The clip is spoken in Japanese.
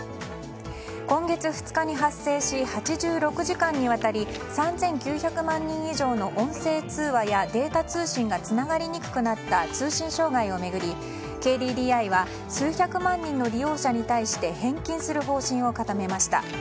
今月２日に発生し８６時間にわたり３９００万人以上の音声通話やデータ通信がつながりにくくなった通信障害を巡り、ＫＤＤＩは数百万人の利用者に対して返金する方針を固めました。